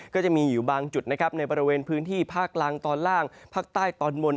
ก็จะมีอยู่บางจุดนะครับในบริเวณพื้นที่ภาคล่างตอนล่างภาคใต้ตอนบน